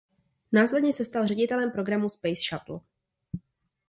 Následně se stal ředitelem programu Space Shuttle.